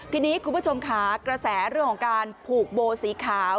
ทีนี้คุณผู้ชมค่ะกระแสเรื่องของการผูกโบสีขาว